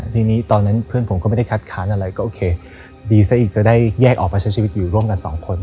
ทีนี้ตอนนั้นเพื่อนผมก็ไม่ได้คัดค้านอะไรก็โอเคดีซะอีกจะได้แยกออกไปใช้ชีวิตอยู่ร่วมกันสองคน